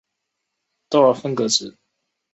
逗号分隔值。